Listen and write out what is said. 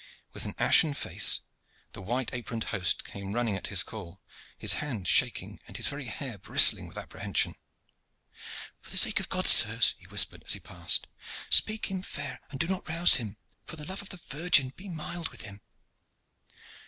With an ashen face the white aproned host came running at his call, his hands shaking and his very hair bristling with apprehension. "For the sake of God, sirs," he whispered as he passed, "speak him fair and do not rouse him! For the love of the Virgin, be mild with him!"